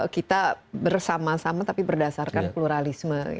kita bersama sama tapi berdasarkan pluralisme